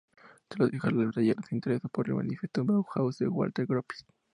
Tras dejar el taller se interesó por el manifiesto Bauhaus de Walter Gropius.